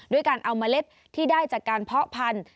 ด้วยการเอาเมล็ดที่ได้จากการเพาะพันธุ